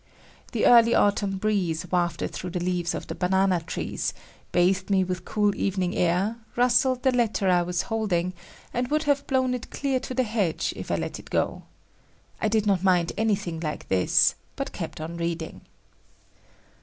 The early autumn breeze wafted through the leaves of the banana trees, bathed me with cool evening air, rustled the letter I was holding and would have blown it clear to the hedge if I let it go. I did not mind anything like this, but kept on reading.